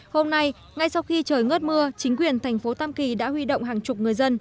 hôm nay ngay sau khi trời ngớt mưa chính quyền thành phố tam kỳ đã huy động hàng chục người dân